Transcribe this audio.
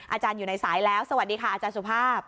อาจารย์อยู่ในสายแล้วสวัสดีค่ะอาจารย์สุภาพ